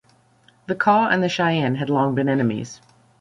The Kaw and the Cheyenne had long been enemies.